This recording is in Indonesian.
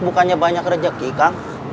bukannya banyak rejeki kang